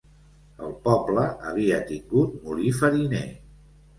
El poble havia tingut molí fariner.